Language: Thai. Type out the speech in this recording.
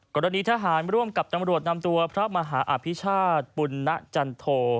กรณีทหารร่วมกับตำรวจนำตัวพระมหาอภิชาติปุณจันโท